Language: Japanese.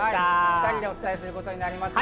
２人でお伝えすることになりますが。